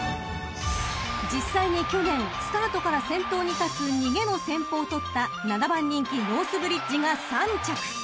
［実際に去年スタートから先頭に立つ逃げの戦法を取った７番人気ノースブリッジが３着］